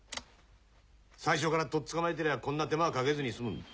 最初からとっつかまえてりゃこんな手間はかけずに済むんだ。